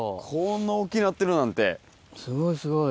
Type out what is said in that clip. すごいすごい。